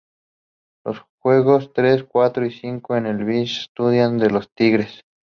Los juegos tres, cuatro y cinco en el Briggs Stadium de los Tigres.